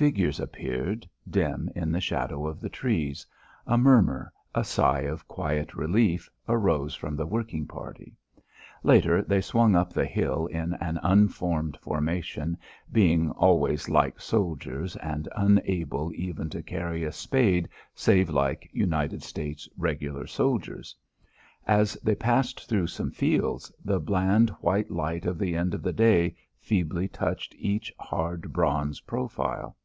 Figures appeared, dim in the shadow of the trees. A murmur, a sigh of quiet relief, arose from the working party. Later, they swung up the hill in an unformed formation, being always like soldiers, and unable even to carry a spade save like United States regular soldiers. As they passed through some fields, the bland white light of the end of the day feebly touched each hard bronze profile.